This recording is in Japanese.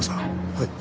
はい。